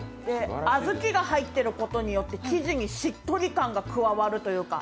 あずきが入ってることによって、生地にしっとり感が加わるというか。